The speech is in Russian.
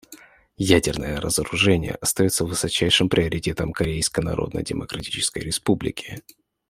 Ядерное разоружение остается высочайшим приоритетом Корейской Народно-Демо-кратической Республики.